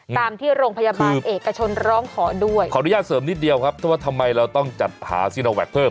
ตามที่โรงพยาบาลเอกชนร้องขอด้วยขออนุญาตเสริมนิดเดียวครับถ้าว่าทำไมเราต้องจัดหาซิโนแวคเพิ่ม